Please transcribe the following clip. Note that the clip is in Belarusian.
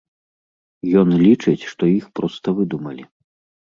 Ён лічыць, што іх проста выдумалі.